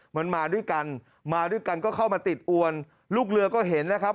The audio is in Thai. มันมาด้วยกันมาด้วยกันก็เข้ามาติดอวนลูกเรือก็เห็นนะครับ